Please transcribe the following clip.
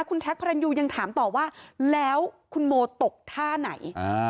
คุณแท็กพระรันยูยังถามต่อว่าแล้วคุณโมตกท่าไหน